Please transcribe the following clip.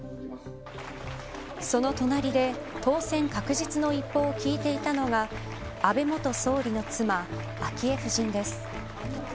その隣で当選確実の一報を聞いていたのが安倍元総理の妻昭恵夫人です。